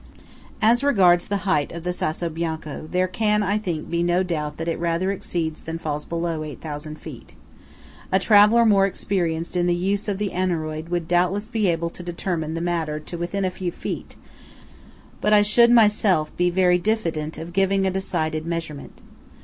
As regards the height of the Sasso Bianco, there can, I think, be no doubt that it rather exceeds than falls below 8,000 feet. A traveller more experienced in the use of the aneroid would doubtless be able to determine the matter to within a few feet; but I should, myself, be very diffident of giving a decided measurement.